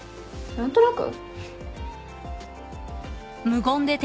何となく？